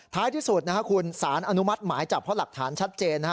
ท้ายที่สุดคุณสารอนุมัติหมายจับเพราะหลักฐานชัดเจน